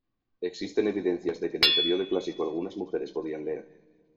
Existen evidencias de que en el periodo clásico algunas mujeres podían leer.